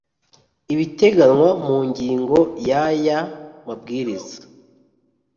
ibiteganywa mu ngingo ya y aya Mabwiriza